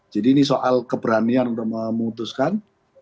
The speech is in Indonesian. jadi ini soal keberanian memutuskan